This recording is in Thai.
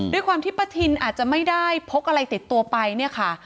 ด้วยความที่ป้าทินอาจจะไม่ได้พกอะไรติดตัวไปเนี่ยค่ะ